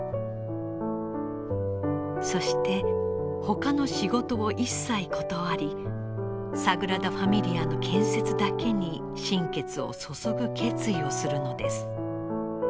そしてほかの仕事を一切断りサグラダ・ファミリアの建設だけに心血を注ぐ決意をするのです。